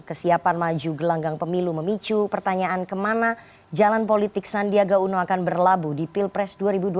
kesiapan maju gelanggang pemilu memicu pertanyaan kemana jalan politik sandiaga uno akan berlabuh di pilpres dua ribu dua puluh